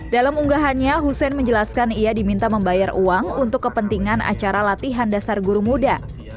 dalam unggahannya hussein menjelaskan ia diminta membayar uang untuk kepentingan acara latihan dasar guru muda